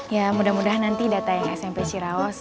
ya mudah mudahan nanti data smp ciraus